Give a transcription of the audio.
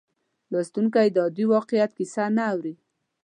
لوستونکی د عادي واقعیت کیسه نه اوري.